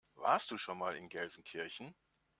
Warst du schon mal in Gelsenkirchen?